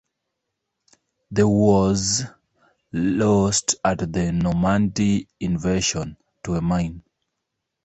The was lost at the Normandy Invasion, to a mine.